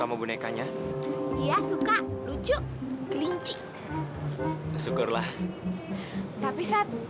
aku nggak peduli wi